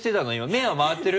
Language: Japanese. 目は回ってる？